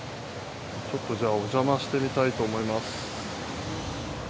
ちょっとじゃあおじゃましてみたいと思います。